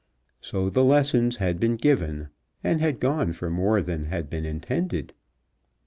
So the lessons had been given, and had gone for more than had been intended.